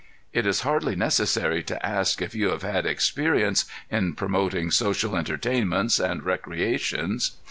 "It is hardly necessary to ask if you have had experience in promoting social entertainments and recreations."